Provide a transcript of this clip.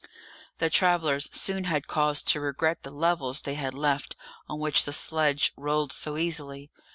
The travellers soon had cause to regret the levels they had left, on which the sledge rolled so easily.